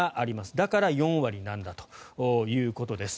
だから、４割なんだということです。